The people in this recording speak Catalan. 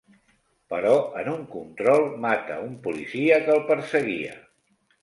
Però en un control, mata un policia que el perseguia.